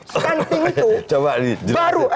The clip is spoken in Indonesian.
stunting itu baru